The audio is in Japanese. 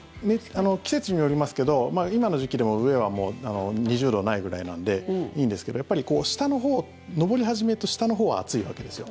季節によりますけど今の時期でも上は２０度ないぐらいなんでいいんですけどやっぱり、下のほう登り始めと下のほうは暑いわけですよ。